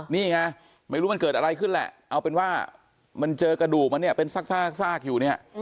นี่ไงไม่รู้มันเกิดอะไรขึ้นแหละเอาเป็นว่ามันเจอกระดูกมันเนี่ยเป็นซากอยู่เนี่ย